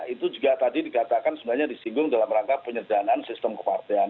itu juga tadi dikatakan sebenarnya disinggung dalam rangka penyerjanaan sistem kepartean